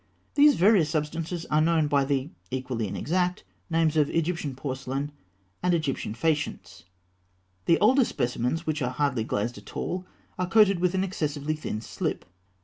These various substances are known by the equally inexact names of Egyptian porcelain and Egyptian faïence. The oldest specimens, which are hardly glazed at all, are coated with an excessively thin slip.